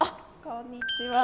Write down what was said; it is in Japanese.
こんにちは。